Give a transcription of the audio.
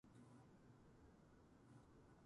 子供だけで遠くへいかない